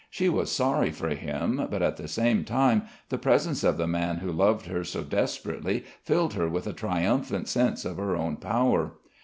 She was sorry for him, but at the same time the presence of the man who loved her so desperately filled her with a triumphant sense of her own power.